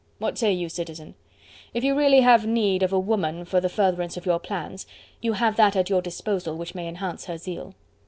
What say you, Citizen? If you really have need of a woman for the furtherance of your plans, you have that at your disposal which may enhance her zeal."